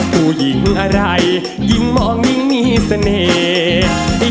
ผู้หญิงอะไรยิ่งมองยิ่งมีเสน่ห์